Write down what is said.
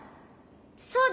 そうだ！